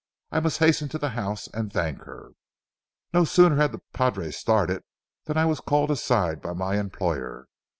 I must hasten to the house and thank her." No sooner had the padre started than I was called aside by my employer.